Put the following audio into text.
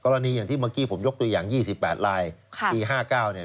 กรณีอย่างที่เมื่อกี้ผมยกตัวอย่างยี่สิบแปดลายครับที่ห้าเก้าเนี้ย